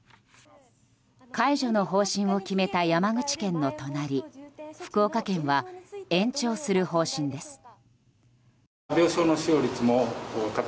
解除の方針を決めた山口県の隣福岡県は延長する方針です。